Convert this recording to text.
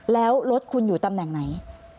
แล้วรถคุณอยู่ตำแหน่งไหน